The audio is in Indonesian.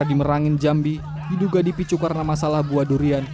di merangin jambi diduga dipicu karena masalah buah durian